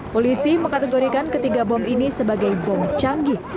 polisi mengkategorikan ketiga bom ini sebagai bom canggih